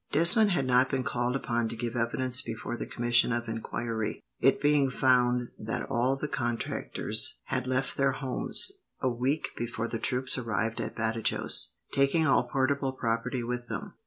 Desmond had not been called upon to give evidence before the commission of enquiry, it being found that all the contractors had left their homes, a week before the troops arrived at Badajos, taking all portable property with them.